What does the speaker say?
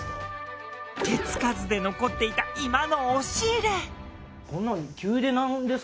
手付かずで残っていた居間の押入れ。